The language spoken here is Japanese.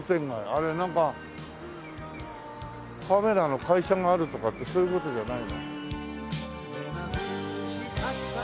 あれなんかカメラの会社があるとかってそういう事じゃないよね？